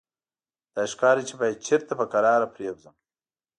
داسې ښکاري چې باید چېرته په کراره پرېوځم.